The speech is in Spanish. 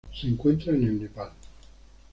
Se encuentra en el Nepal.